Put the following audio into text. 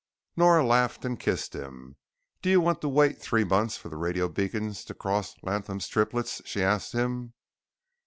Nora laughed and kissed him. "Do you want to wait three months for the radio beams to cross Latham's Triplets?" she asked him.